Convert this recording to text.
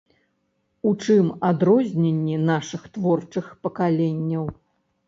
У чым адрозненні нашых творчых пакаленняў?